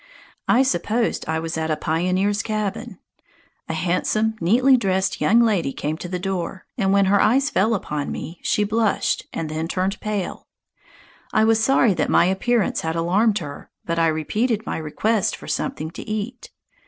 I supposed I was at a pioneer's cabin. A handsome, neatly dressed young lady came to the door, and when her eyes fell upon me she blushed and then turned pale. I was sorry that my appearance had alarmed her, but I repeated my request for something to eat.